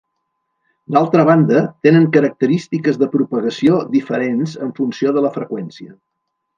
D'altra banda, tenen característiques de propagació diferents en funció de la freqüència.